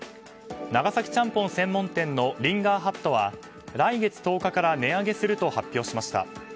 長崎ちゃんぽん専門店のリンガーハットは来月１０日から値上げすると発表しました。